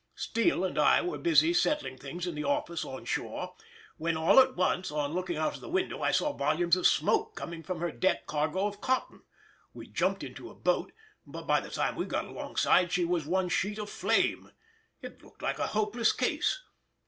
Steele and I were busy settling things in the office on shore, when all at once, on looking out of the window, I saw volumes of smoke coming from her deck cargo of cotton; we jumped into a boat, but by the time we got alongside she was one sheet of flame. It looked like a hopeless case.